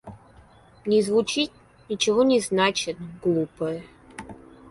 Не звучит, ничего не значит, глупое.